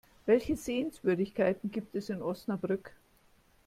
Welche Sehenswürdigkeiten gibt es in Osnabrück?